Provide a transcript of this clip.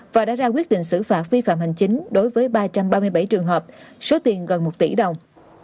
và đã ra quyết định xử phạt vi phạm hành chính đối với ba trăm ba mươi bảy trường hợp số tiền gần một tỷ đồng